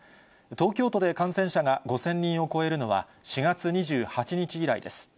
東京都で感染者が５０００人を超えるのは、４月２８日以来です。